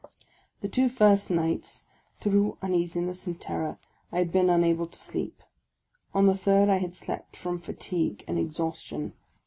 The two first nights, through uneasiness and terror, I had been unable to sleep; on the third I had slept, from fatigue and exhaustion.